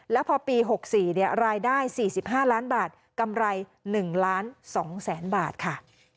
แล้วพอปี๖๔รายได้๔๕ล้านบาทกำไร๑ล้าน๒แสนบาทค่ะ